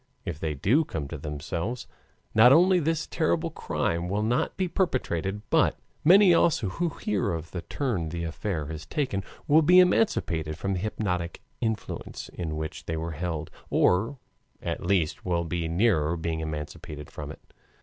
If they do come to themselves, not only this terrible crime will not be perpetrated, but many also who hear of the turn the affair has taken will be emancipated from the hypnotic influence in which they were held, or at least will be nearer being emancipated from it.